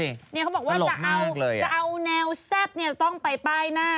เนี่ยเขาบอกว่าจะเอาแนวแซ่บเนี่ยต้องไปป้ายหน้า